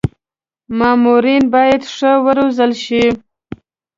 مامورین باید ښه و روزل شي.